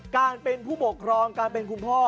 การเป็นผู้ปกครองการเป็นคุณพ่อ